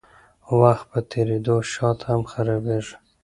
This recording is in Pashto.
وخت په تېرېدو شات هم خرابیږي.